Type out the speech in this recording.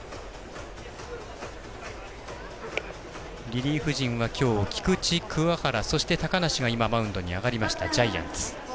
リリーフ陣は菊地、鍬原そして高梨が今、マウンドに上がりましたジャイアンツ。